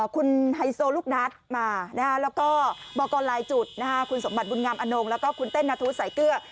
คุณไฮโซลูกนัดมาแล้วก็บอกกรลายจุดคุณสมบัติบุญงามอนงแล้วก็คุณเต้นนาธุสายเกลือ